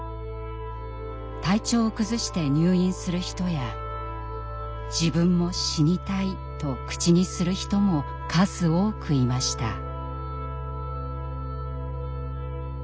体調を崩して入院する人や「自分も死にたい」と口にする人も数多くいました。